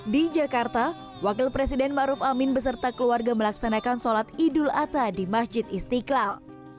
di jakarta wakil presiden maruf amin beserta keluarga melaksanakan solat idul atta di masjid istiqlal